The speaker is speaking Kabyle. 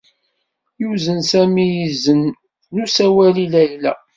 Yuzen Sami izen n usawal i Layla.